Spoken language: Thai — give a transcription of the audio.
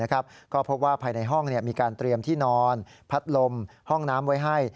ก็พบว่าภายในห้องมีการเตรียมที่นอนพัดลมห้องน้ำไว้ให้